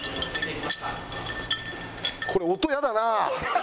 これ音イヤだな！